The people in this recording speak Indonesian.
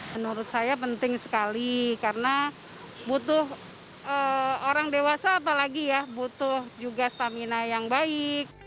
menurut saya penting sekali karena butuh orang dewasa apalagi ya butuh juga stamina yang baik